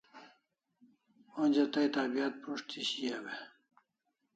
Onja tai tabiat prus't thi shiau e?